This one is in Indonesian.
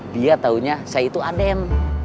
dia taunya saya itu adem